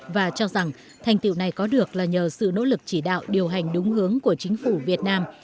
và cho rằng thành tiệu này có được là nhờ sự nỗ lực chỉ đạo điều hành đúng hướng của chính phủ việt nam